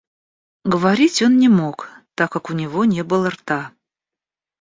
Говорить он не мог, так как у него не было рта.